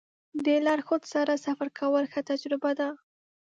د لارښود سره سفر کول ښه تجربه ده.